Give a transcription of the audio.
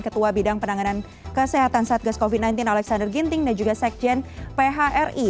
ketua bidang penanganan kesehatan satgas covid sembilan belas alexander ginting dan juga sekjen phri